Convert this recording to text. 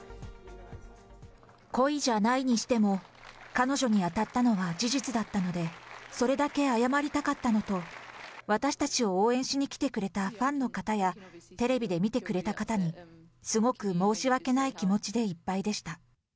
故意じゃないにしても、彼女に当たったのは事実だったので、それだけ謝りたかったのと、私たちを応援しに来てくれたファンの方やテレビで見てくれた方に、すごく申し訳ない気持ちでいっぱいでした。